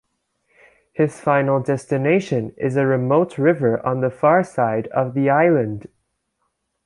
His final destination is a remote river on the far side of the island.